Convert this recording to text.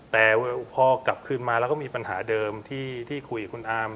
แต่พอกลับคืนมาแล้วก็มีปัญหาเดิมที่คุยกับคุณอาร์ม